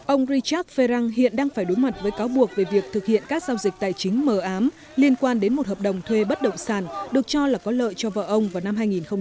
ông richard frerang hiện đang phải đối mặt với cáo buộc về việc thực hiện các giao dịch tài chính m ám liên quan đến một hợp đồng thuê bất động sản được cho là có lợi cho vợ ông vào năm hai nghìn một mươi